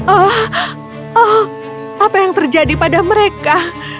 oh apa yang terjadi pada mereka